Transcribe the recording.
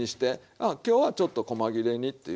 あ今日はちょっとこま切れにっていう